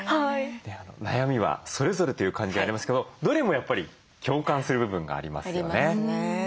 悩みはそれぞれという感じありますけどどれもやっぱり共感する部分がありますよね。ありますね。